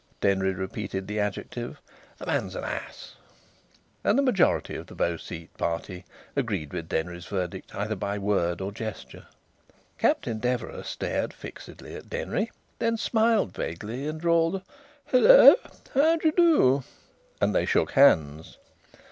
Denry repeated the adjective. "The man's an ass!" And the majority of the Beau Site party agreed with Denry's verdict either by word or gesture. Captain Deverax stared fixedly at Denry; then smiled vaguely and drawled, "Hullo! How d' do?" And they shook hands.